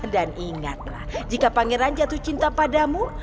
dan ingatlah jika pangeran jatuh cinta padamu